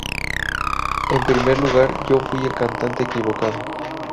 En primer lugar yo fui el cantante equivocado".